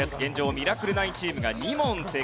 ミラクル９チームが２問正解。